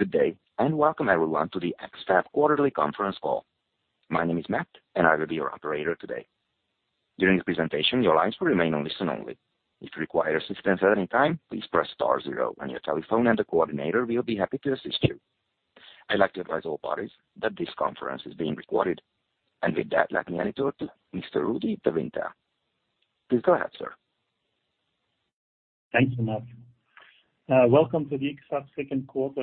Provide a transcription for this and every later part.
Good day, and welcome everyone to the X-FAB quarterly conference call. My name is Matt, and I will be your operator today. During the presentation, your lines will remain on listen only. If you require assistance at any time, please press star zero on your telephone and the coordinator will be happy to assist you. I'd like to advise all parties that this conference is being recorded. With that, let me hand it over to Mr. Rudi De Winter. Please go ahead, sir. Thanks, Matt. Welcome to the X-FAB second quarter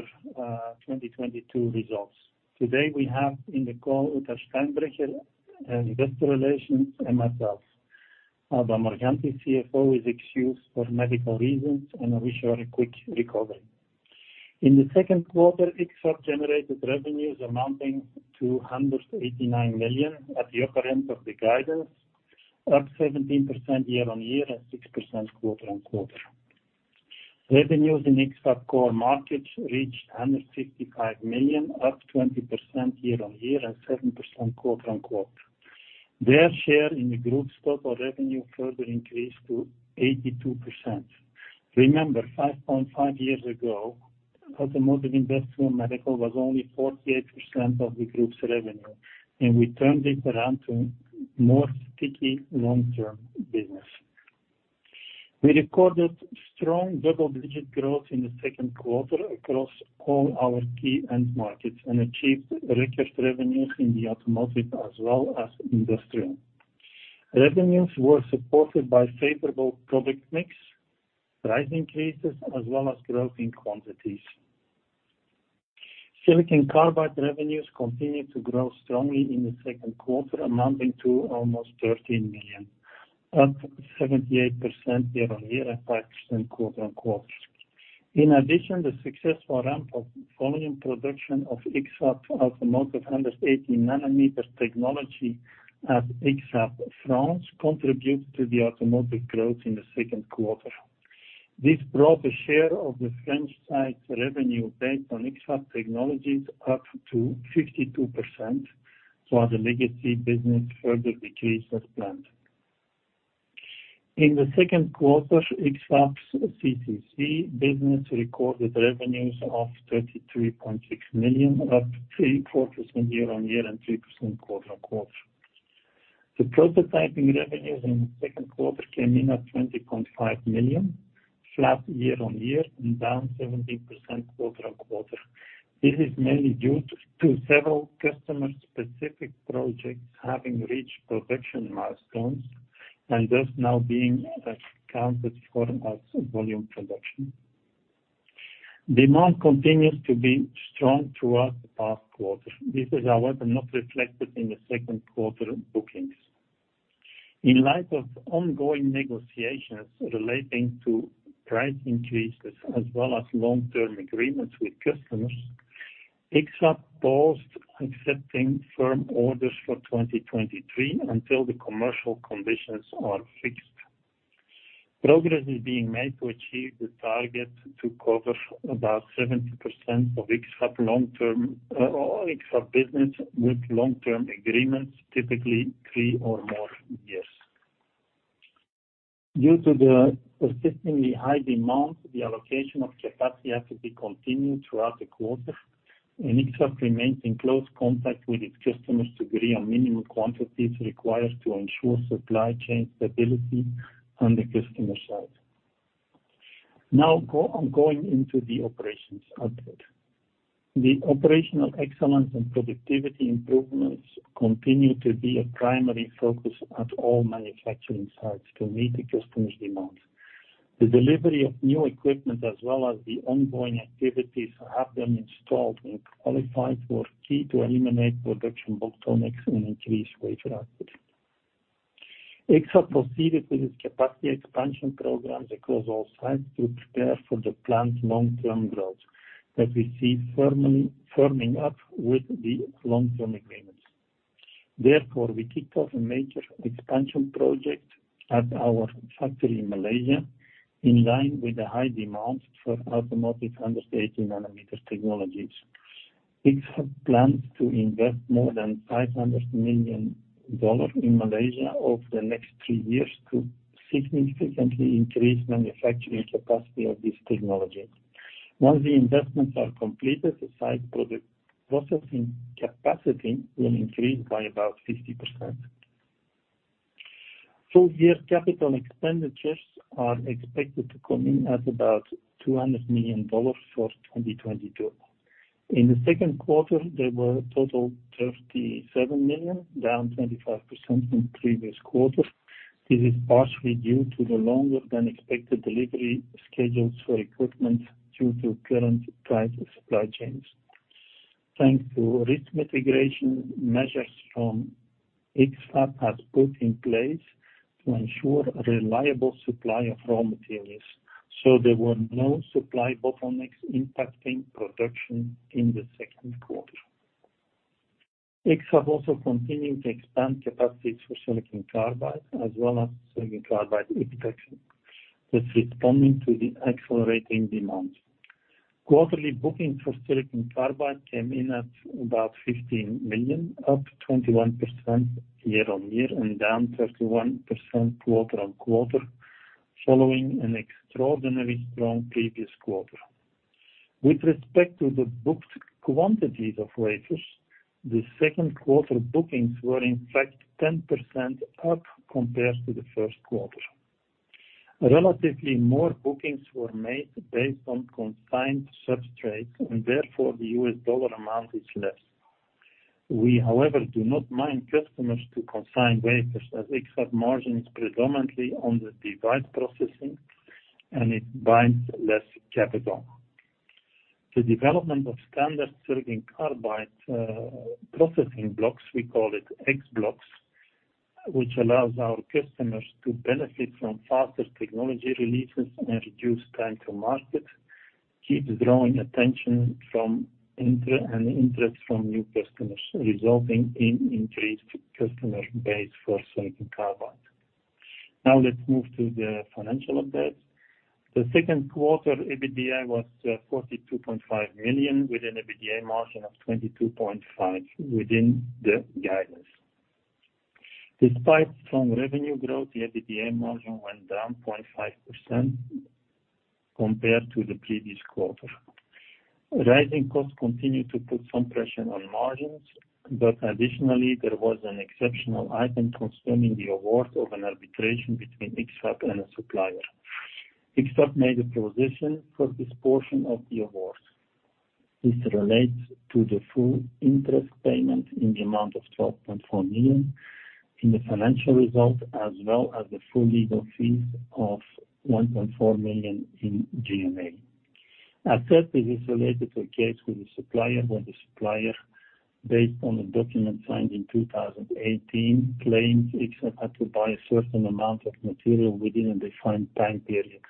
2022 results. Today, we have in the call, Uta Steinbrecher, our investor relations and myself. Alba Morganti, CFO, is excused for medical reasons, and I wish her a quick recovery. In the second quarter, X-FAB generated revenues amounting to 189 million at the upper end of the guidance, up 17% year-on-year and 6% quarter-on-quarter. Revenues in X-FAB core markets reached 155 million, up 20% year-on-year and 7% quarter-on-quarter. There share in the group's total revenue further increased to 82%. Remember, 5.5 years ago, automotive, industrial, and medical was only 48% of the group's revenue, and we turned it around to more sticky long-term business. We recorded strong double-digit growth in the second quarter across all our key end markets and achieved record revenues in the automotive as well as industrial. Revenues were supported by favorable product mix, price increases, as well as growth in quantities. Silicon carbide revenues continued to grow strongly in the second quarter, amounting to almost 13 million, up 78% year-over-year and 5% quarter-over-quarter. In addition, the successful ramp of volume production of X-FAB automotive 180 nm technology at X-FAB France contributed to the automotive growth in the second quarter. This brought the share of the French site's revenue based on X-FAB technologies up to 52%, while the legacy business further decreased as planned. In the second quarter, X-FAB's CCC business recorded revenues of 33.6 million, up 3% year-over-year and 3% quarter-over-quarter. The prototyping revenues in the second quarter came in at 20.5 million, flat year-over-year and down 17% quarter-over-quarter. This is mainly due to several customer-specific projects having reached production milestones and thus now being counted for as volume production. Demand continues to be strong throughout the past quarter. This is however not reflected in the second quarter bookings. In light of ongoing negotiations relating to price increases as well as long-term agreements with customers, X-FAB paused accepting firm orders for 2023 until the commercial conditions are fixed. Progress is being made to achieve the target to cover about 70% of X-FAB long-term or X-FAB business with long-term agreements, typically three or more years. Due to the persistently high demand, the allocation of capacity had to be continued throughout the quarter, and X-FAB remains in close contact with its customers to agree on minimum quantities required to ensure supply chain stability on the customer side. Now going into the operational output. The operational excellence and productivity improvements continue to be a primary focus at all manufacturing sites to meet the customers' demands. The delivery of new equipment as well as the ongoing activities to have them installed and qualified were key to eliminate production bottlenecks and increase wafer output. X-FAB proceeded with its capacity expansion programs across all sites to prepare for the planned long-term growth that we see firming up with the long-term agreements. Therefore, we kicked off a major expansion project at our factory in Malaysia in line with the high demand for automotive 180 nm technologies. X-FAB plans to invest more than $500 million in Malaysia over the next three years to significantly increase manufacturing capacity of this technology. Once the investments are completed, the site product processing capacity will increase by about 50%. Full year capital expenditures are expected to come in at about $200 million for 2022. In the second quarter, they were a total of $37 million, down 25% from previous quarter. This is partially due to the longer than expected delivery schedules for equipment due to current tight supply chains. Thanks to risk mitigation measures from X-FAB has put in place to ensure a reliable supply of raw materials, so there were no supply bottlenecks impacting production in the second quarter. X-FAB also continued to expand capacities for silicon carbide as well as silicon carbide epitaxy, thus responding to the accelerating demand. Quarterly bookings for silicon carbide came in at about $15 million, up 21% year-over-year and down 31% quarter-over-quarter. Following an extraordinarily strong previous quarter. With respect to the booked quantities of wafers, the second quarter bookings were in fact 10% up compared to the first quarter. Relatively more bookings were made based on consigned substrate and therefore the US dollar amount is less. We, however, do not mind customers to consign wafers as X-FAB margins predominantly on the device processing and it binds less capital. The development of standard silicon carbide processing blocks, we call it X-blocks, which allows our customers to benefit from faster technology releases and reduce time to market, keeps drawing attention and interest from new customers, resulting in increased customer base for silicon carbide. Now let's move to the financial updates. The second quarter EBITDA was 42.5 million with an EBITDA margin of 22.5% within the guidance. Despite strong revenue growth, the EBITDA margin went down 0.5% compared to the previous quarter. Rising costs continued to put some pressure on margins, but additionally, there was an exceptional item concerning the award of an arbitration between X-FAB and a supplier. X-FAB made a provision for this portion of the award. This relates to the full interest payment in the amount of 12.4 million in the financial result, as well as the full legal fees of 1.4 million in G&A. As said, this is related to a case with the supplier where the supplier, based on the document signed in 2018, claims X-FAB had to buy a certain amount of material within a defined time period.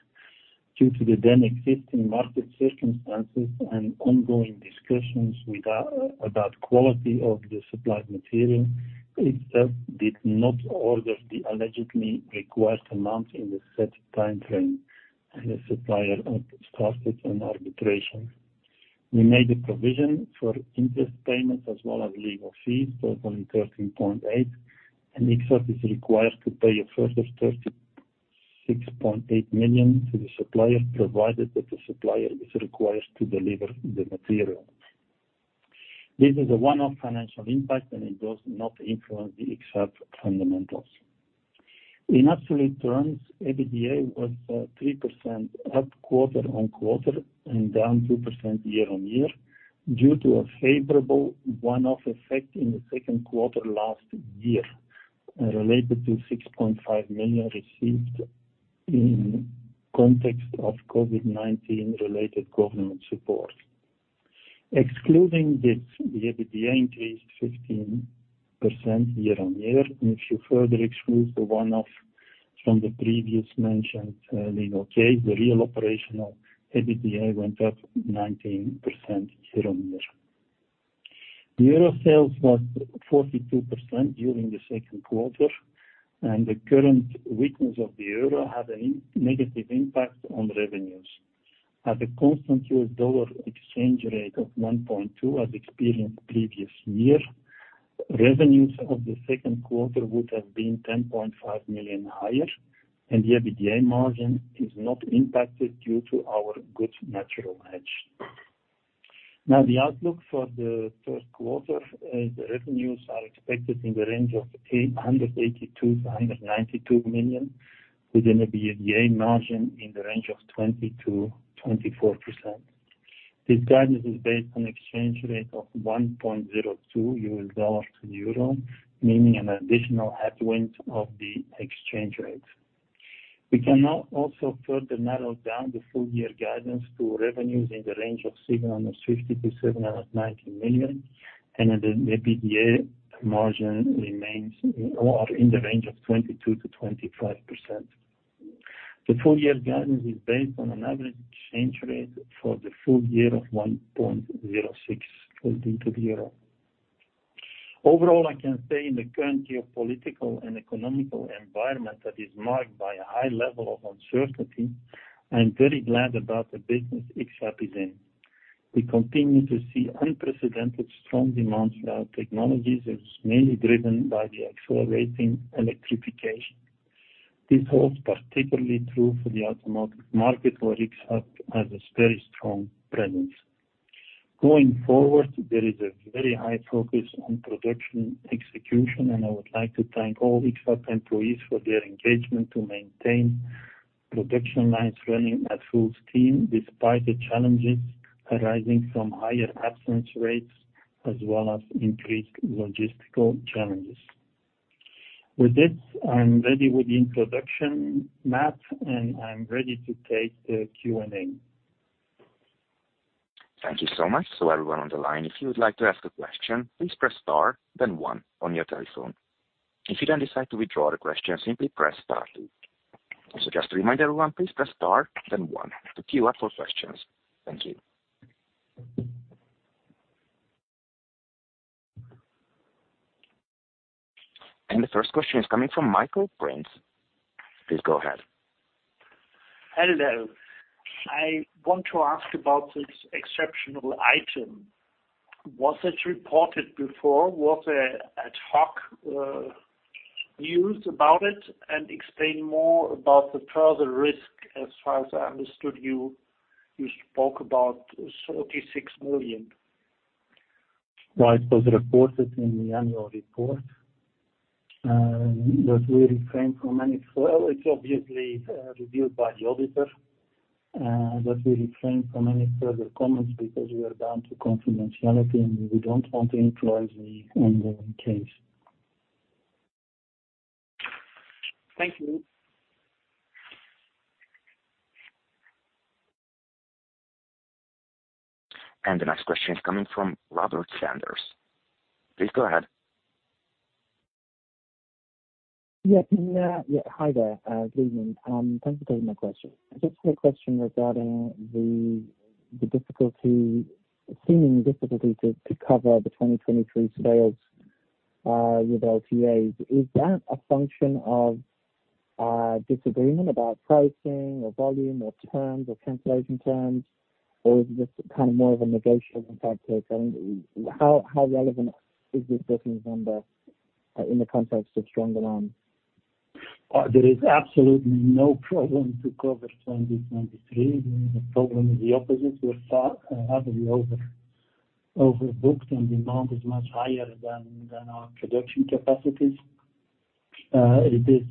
Due to the then existing market circumstances and ongoing discussions about quality of the supplied material, X-FAB did not order the allegedly required amount in the set time frame, and the supplier started an arbitration. We made a provision for interest payments as well as legal fees, totaling 13.8 million, and X-FAB is required to pay a further 36.8 million to the supplier, provided that the supplier is required to deliver the material. This is a one-off financial impact, and it does not influence the X-FAB fundamentals. In absolute terms, EBITDA was 3% up quarter-over-quarter and down 2% year-over-year due to a favorable one-off effect in the second quarter last year, related to 6.5 million received in context of COVID-19 related government support. Excluding this, the EBITDA increased 15% year-over-year. If you further exclude the one-off from the previously mentioned legal case, the real operational EBITDA went up 19% year-on-year. The euro sales was 42% during the second quarter, and the current weakness of the euro had a negative impact on revenues. At a constant US dollar exchange rate of 1.2 as experienced previous year, revenues of the second quarter would have been 10.5 million higher and the EBITDA margin is not impacted due to our good natural hedge. Now the outlook for the third quarter, the revenues are expected in the range of 82-92 million with an EBITDA margin in the range of 20%-24%. This guidance is based on exchange rate of 1.02 US dollar to euro, meaning an additional headwind of the exchange rate. We can now also further narrow down the full year guidance to revenues in the range of 750 million-790 million, and then the EBITDA margin remains in the range of 22%-25%. The full year guidance is based on an average exchange rate for the full year of 1.06 for the euro. Overall, I can say in the current geopolitical and economic environment that is marked by a high level of uncertainty, I'm very glad about the business X-FAB is in. We continue to see unprecedented strong demand for our technologies that's mainly driven by the accelerating electrification. This holds particularly true for the automotive market, where X-FAB has a very strong presence. Going forward, there is a very high focus on production execution, and I would like to thank all X-FAB employees for their engagement to maintain production lines running at full steam despite the challenges arising from higher absence rates as well as increased logistical challenges. With this, I'm ready with the introduction, Matt, and I'm ready to take the Q&A. Thank you so much. Everyone on the line, if you would like to ask a question, please press star then one on your telephone. If you then decide to withdraw the question, simply press star two. Just to remind everyone, please press star then one to queue up for questions. Thank you. The first question is coming from Michael Roeg. Please go ahead. Hello. I want to ask about this exceptional item. Was it reported before? Was there ad hoc news about it? Explain more about the further risk, as far as I understood you spoke about 36 million. Well, it was reported in the annual report. Well, it's obviously reviewed by the auditor, but we refrain from any further comments because we are bound to confidentiality, and we don't want to influence the ongoing case. Thank you. The next question is coming from Robert Sanders. Please go ahead. Yes. Hi there, Lieven. Thanks for taking my question. I just had a question regarding the seeming difficulty to cover the 2023 sales with LTAs. Is that a function of disagreement about pricing or volume or terms or cancellation terms? Or is it just kind of more of a negotiation tactic? How relevant is this business number in the context of strong demand? There is absolutely no problem to cover 2023. The problem is the opposite. We're far heavily overbooked, and demand is much higher than our production capacities. It is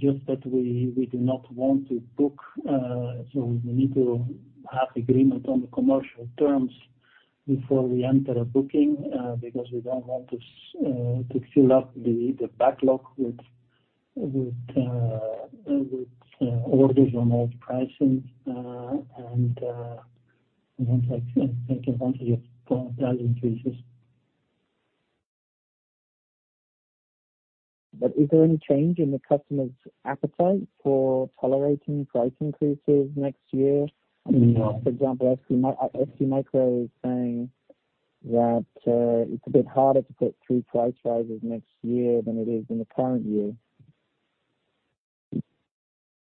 just that we do not want to book, so we need to have agreement on the commercial terms before we enter a booking, because we don't want to fill up the backlog with orders on old pricing, and once that taking advantage of price increases. Is there any change in the customers' appetite for tolerating price increases next year? No. I mean, for example, STMicroelectronics is saying that it's a bit harder to put through price rises next year than it is in the current year.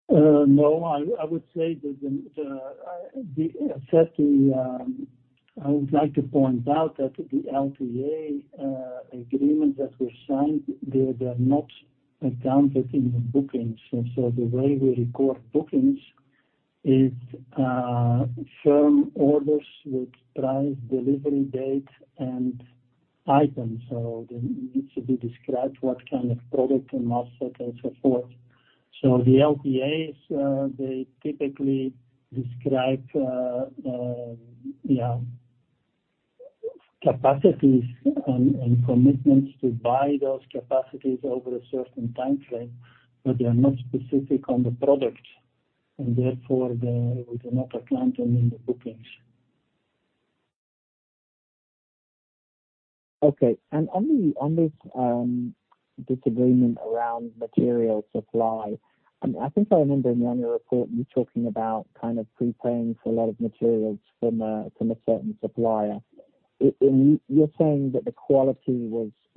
No, I would say that the first thing I would like to point out that the LTA agreement that we signed, they're not accounted in the bookings. The way we record bookings is firm orders with price, delivery date, and items. They need to be described what kind of product and asset and so forth. The LTAs they typically describe capacities and commitments to buy those capacities over a certain time frame, but they are not specific on the product, and therefore, they, we do not account them in the bookings. Okay. On this disagreement around material supply, I think I remember in the annual report you talking about kind of prepaying for a lot of materials from a certain supplier. You’re saying that the quality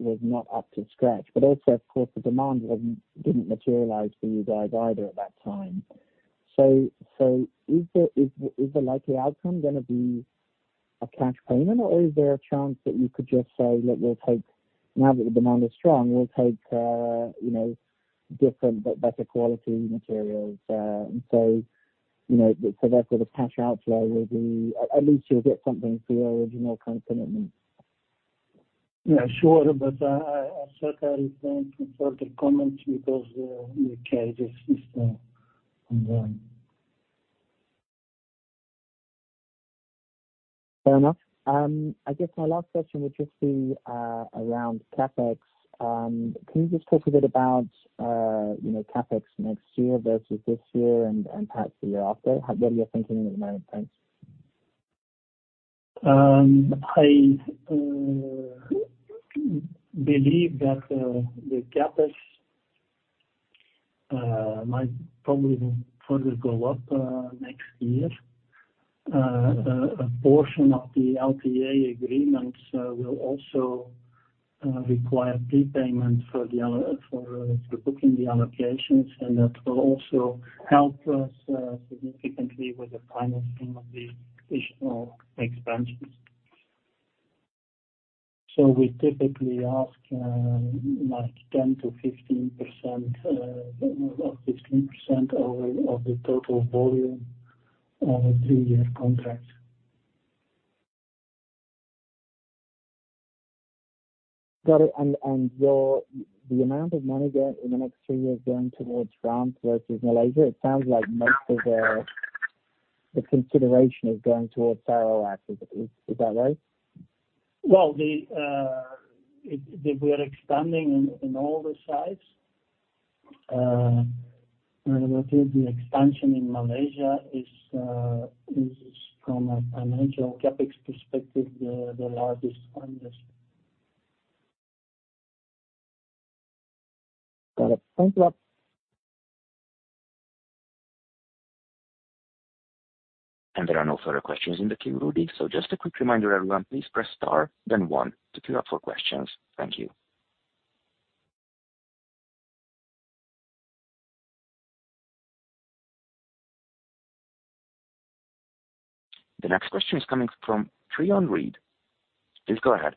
was not up to scratch, but also of course, the demand didn’t materialize for you guys either at that time. Is the likely outcome gonna be a cash payment, or is there a chance that you could just say, "Look, we'll take now that the demand is strong, we'll take, you know, different but better quality materials," and, you know, therefore the cash outflow will be at least you'll get something for your original kind of commitment? Yeah, sure. I certainly can't confirm the comments because the case is still ongoing. Fair enough. I guess my last question would just be around CapEx. Can you just talk a bit about you know, CapEx next year versus this year and perhaps the year after? What are you thinking at the moment? Thanks. I believe that the CapEx might probably further go up next year. A portion of the LTA agreements will also require prepayment to book in the allocations, and that will also help us significantly with the financing of the additional expansions. We typically ask like 10%-15% of 15% of the total volume of a three-year contract. Got it. The amount of money there in the next three years going towards France versus Malaysia, it sounds like most of the consideration is going towards Sarawak activities. Is that right? Well, we are expanding in all the sites. Relatively, the expansion in Malaysia is from a financial CapEx perspective, the largest one, yes. Got it. Thanks a lot. There are no further questions in the queue, Rudi. Just a quick reminder, everyone. Please press star then one to queue up for questions. Thank you. The next question is coming from Trion Reid. Please go ahead.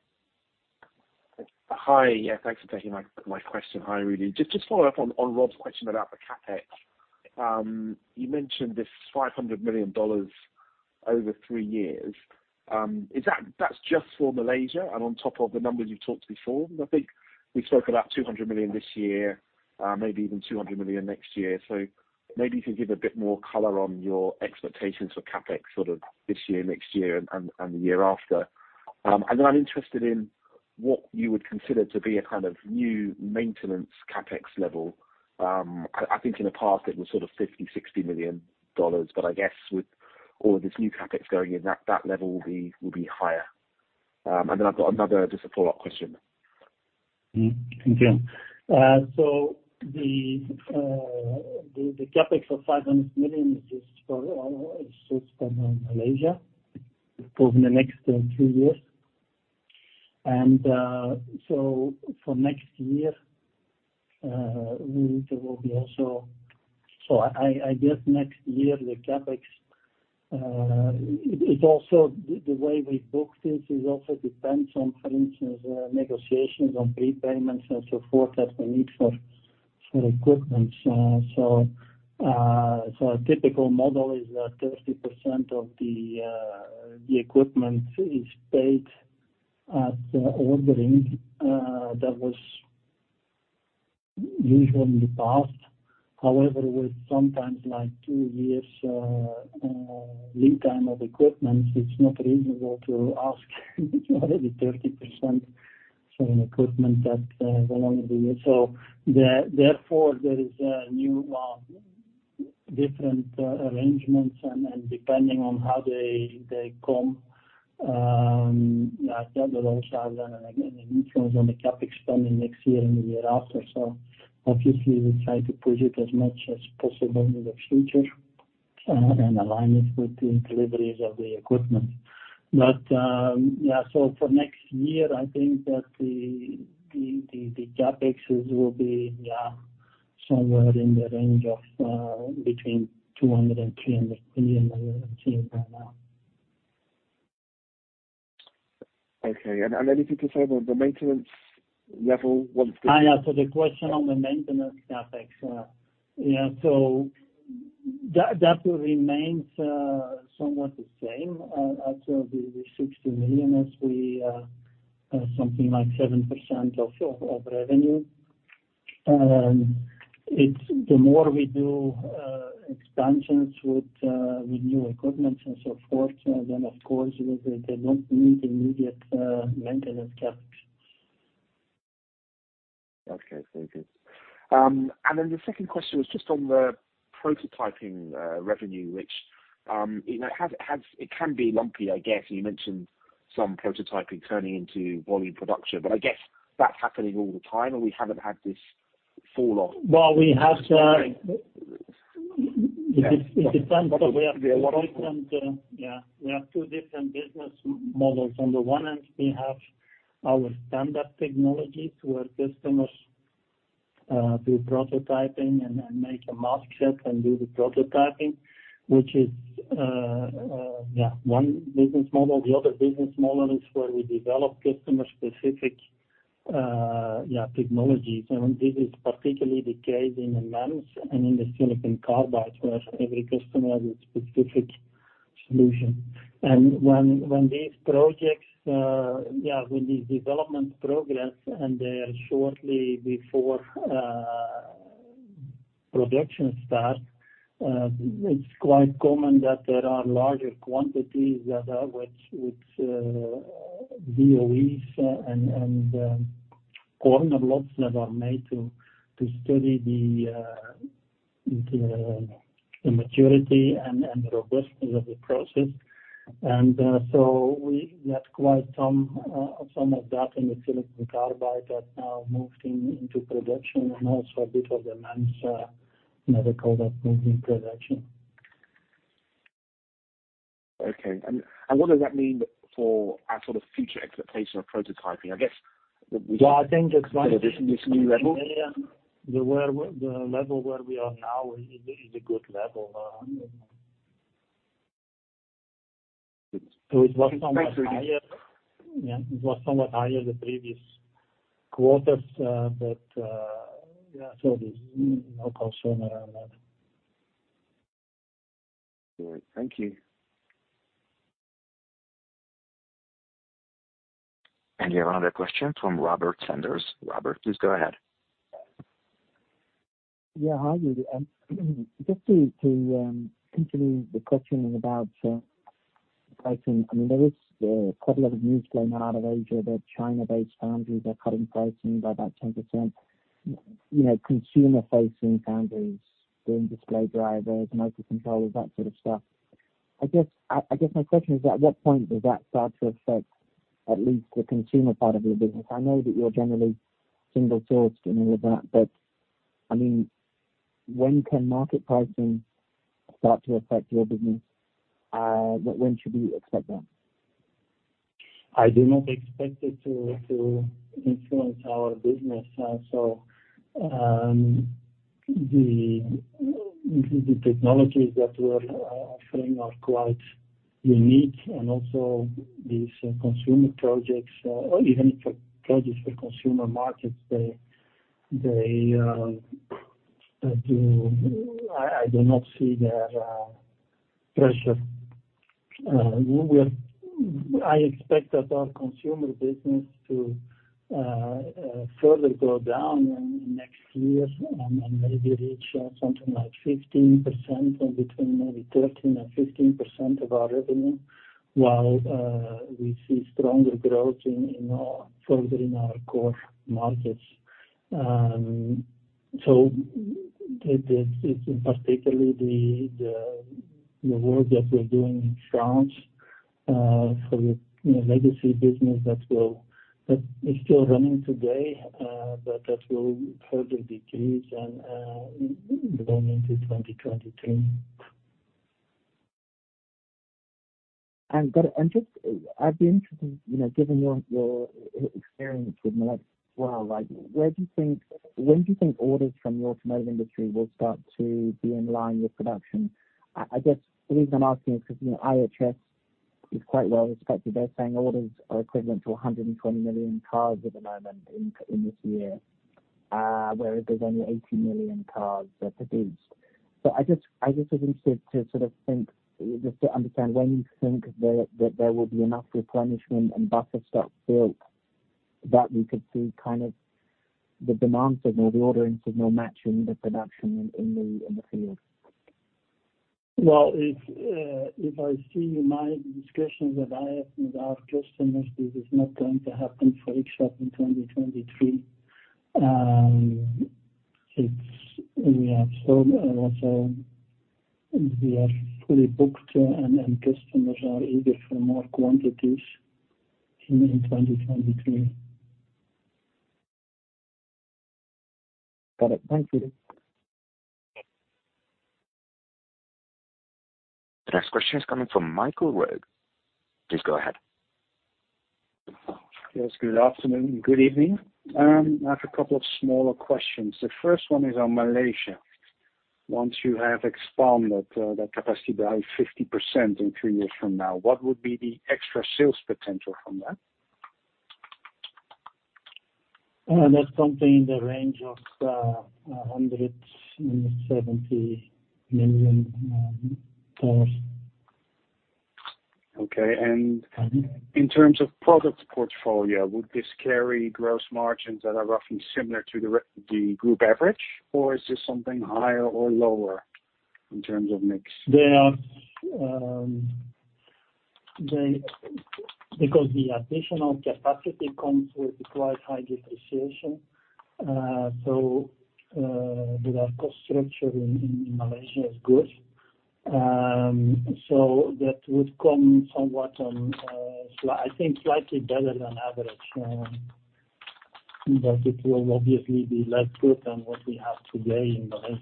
Hi. Yeah, thanks for taking my question. Hi, Rudi. Just follow up on Rob's question about the CapEx. You mentioned this $500 million over three years. Is that just for Malaysia and on top of the numbers you've talked before? I think we spoke about $200 million this year, maybe even $200 million next year. Maybe if you give a bit more color on your expectations for CapEx sort of this year, next year, and the year after. Then I'm interested in what you would consider to be a kind of new maintenance CapEx level. I think in the past it was sort of $50-$60 million, but I guess with all of this new CapEx going in that level will be higher. I've got another just a follow-up question. The CapEx of $500 million is just for Malaysia over the next two years. For next year, there will be also. I guess next year the CapEx is also the way we book this is also depends on, for instance, negotiations on prepayments and so forth that we need for equipment. A typical model is that 30% of the equipment is paid at ordering. That was usually in the past, however, with sometimes like two years lead time of equipment, it's not reasonable to ask already 30% for an equipment that they're going to do. Therefore there is a new different arrangements and depending on how they come like that will also have an influence on the CapEx spend in next year and the year after. Obviously we try to push it as much as possible in the future and align it with the deliveries of the equipment. For next year I think that the CapExes will be somewhere in the range of between 200 million-300 million that we have seen by now. Okay. Anything to say about the maintenance level once? The question on the maintenance CapEx. That will remains somewhat the same, as of the 60 million as we something like 7% of revenue. It's the more we do expansions with new equipment and so forth, then of course they don't need immediate maintenance CapEx. Okay. Thank you. The second question was just on the prototyping revenue, which you know it can be lumpy, I guess. You mentioned some prototyping turning into volume production. I guess that's happening all the time, and we haven't had this fall off. Well, we have. Yeah. It depends. We have two different business models. On the one end we have our standard technologies where customers do prototyping and make a mask check and do the prototyping, which is one business model. The other business model is where we develop customer specific technologies. This is particularly the case in MEMS and in the silicon carbide where every customer has a specific solution. When these developments progress and they are shortly before production start, it's quite common that there are larger quantities that are DOE and corner lots that are made to study the maturity and the robustness of the process. We had quite some of that in the silicon carbide that now moved into production and also a bit of the MEMS in the product moving production. Okay. What does that mean for our sort of future expectation of prototyping? I guess. Well, I think. Is it this new level? The level where we are now is a good level. Thanks, Rudy. Yeah. It was somewhat higher the previous quarters, but yeah, so there's no concern around that. All right. Thank you. Your other question from Robert Sanders. Robert, please go ahead. Yeah. Hi, Rudi. Just to continue the questioning about pricing. I mean, there is quite a lot of news going on out of Asia that China-based foundries are cutting pricing by about 10%. You know, consumer facing foundries, doing display drivers, microcontrollers, that sort of stuff. I guess my question is at what point does that start to affect at least the consumer part of your business? I know that you're generally single sourced and all of that, but I mean, when can market pricing start to affect your business? When should we expect that? I do not expect it to influence our business. The technologies that we're offering are quite unique and also these consumer projects or even projects for consumer markets, they do. I do not see there pressure. I expect that our consumer business to further go down in next years and maybe reach something like 15% or between maybe 13%-15% of our revenue, while we see stronger growth further in our core markets. It is particularly the work that we're doing in France for the, you know, legacy business that is still running today, but that will further decrease going into 2023. I'd be interested, you know, given your experience with Melexis as well, like, when do you think orders from the automotive industry will start to be in line with production? I guess the reason I'm asking is 'cause, you know, IHS is quite well-respected. They're saying orders are equivalent to 120 million cars at the moment in this year, whereas there's only 80 million cars that are produced. I was interested to sort of think, just to understand when you think that there will be enough replenishment and buffer stock built that we could see kind of the demand signal, the ordering signal matching the production in the field. Well, if I see my discussions that I have with our customers, this is not going to happen for X-FAB in 2023. We have sold. We are fully booked and customers are eager for more quantities in 2023. Got it. Thank you. The next question is coming from Michael Roeg. Please go ahead. Yes, good afternoon and good evening. I have a couple of smaller questions. The first one is on Malaysia. Once you have expanded that capacity by 50% in three years from now, what would be the extra sales potential from that? That's something in the range of $170 million. Okay. Mm-hmm. In terms of product portfolio, would this carry gross margins that are roughly similar to the group average, or is this something higher or lower in terms of mix? Because the additional capacity comes with quite high depreciation, so with our cost structure in Malaysia is good. That would come somewhat, I think, slightly better than average. It will obviously be less good than what we have today in Malaysia.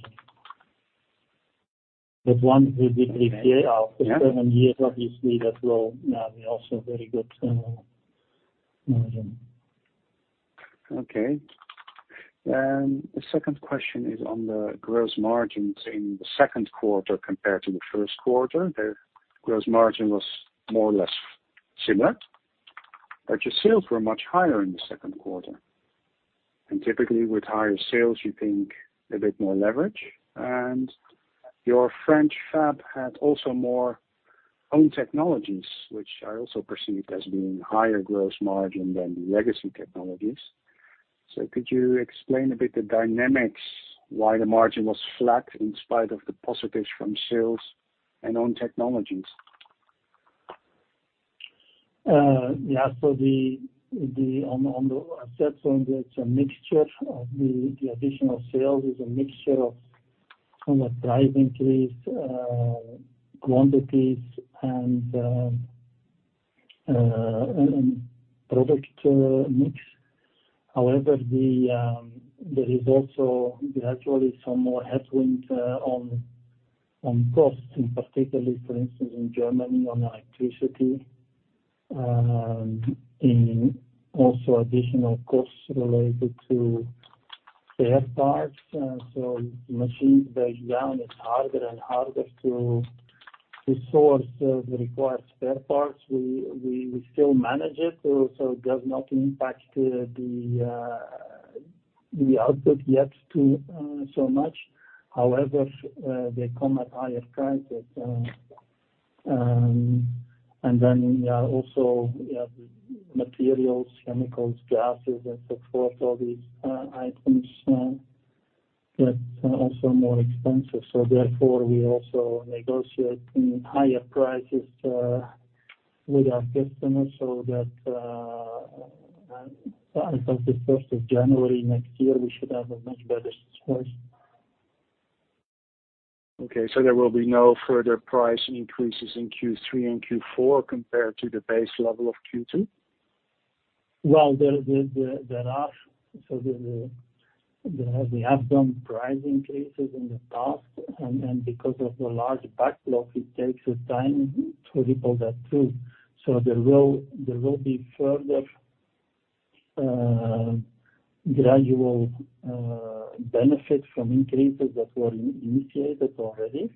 Once we depreciate. Okay. Yeah. After 7 years obviously that will be also very good margin. Okay. The second question is on the gross margins in the second quarter compared to the first quarter. The gross margin was more or less similar, but your sales were much higher in the second quarter. Typically with higher sales, you think a bit more leverage. Your French fab had also more own technologies, which I also perceive as being higher gross margin than the legacy technologies. Could you explain a bit the dynamics why the margin was flat in spite of the positives from sales and own technologies? The additional sales is a mixture of from a price increase, quantities and product mix. However, there is also gradually some more headwind on costs, in particular for instance, in Germany on electricity. And also additional costs related to spare parts, so machines break down, it's harder and harder to source the required spare parts. We still manage it, so it does not impact the output yet so much. However, they come at higher prices. Then there are also materials, chemicals, gases and so forth, all these items that are also more expensive. We also negotiate higher prices with our customers so that, as of the first of January next year, we should have a much better situation. Okay. There will be no further price increases in Q3 and Q4 compared to the base level of Q2? We have done price increases in the past, and because of the large backlog, it takes us time to ripple that through. There will be further gradual benefits from increases that were initiated already.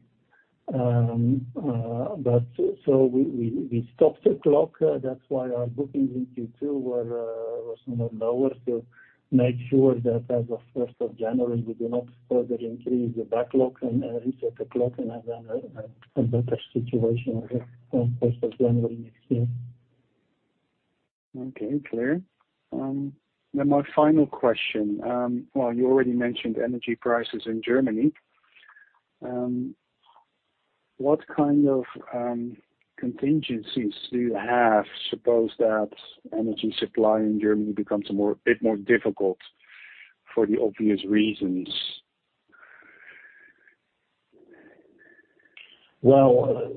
We stopped the clock. That's why our bookings in Q2 were somewhat lower to make sure that as of first of January, we do not further increase the backlog and reset the clock and have then a better situation here from first of January next year. Okay, clear. My final question. You already mentioned energy prices in Germany. What kind of contingencies do you have, suppose that energy supply in Germany becomes a bit more difficult for the obvious reasons? Well,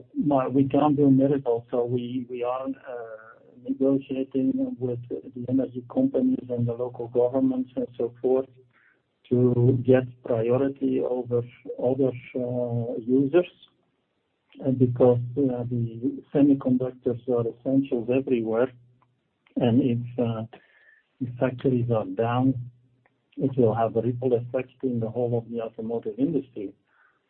we can't do a miracle, so we are negotiating with the energy companies and the local governments and so forth to get priority over other users. Because the semiconductors are essentials everywhere, and if factories are down, it will have a ripple effect in the whole of the automotive industry.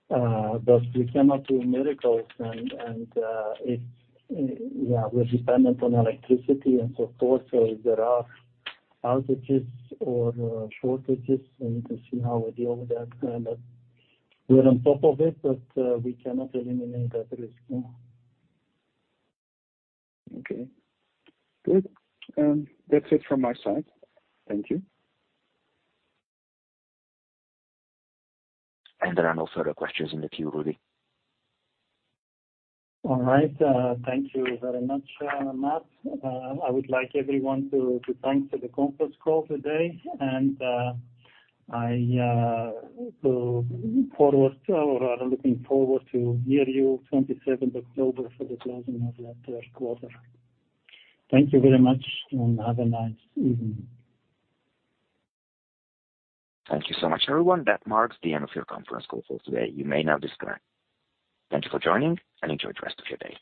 We cannot do miracles. Yeah, we're dependent on electricity and so forth, so if there are outages or shortages, we need to see how we deal with that. We're on top of it, but we cannot eliminate that risk, no. Okay, good. That's it from my side. Thank you. There are no further questions in the queue, Rudi. All right. Thank you very much, Matt. I would like to thank everyone for the conference call today. Looking forward to hearing from you on the twenty-seventh of October for the closing of that third quarter. Thank you very much, and have a nice evening. Thank you so much, everyone. That marks the end of your conference call for today. You may now disconnect. Thank you for joining, and enjoy the rest of your day.